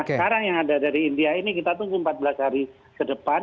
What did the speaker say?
sekarang yang ada dari india ini kita tunggu empat belas hari ke depan